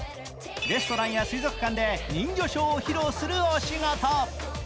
レストランや水族館で人魚ショーを披露するお仕事。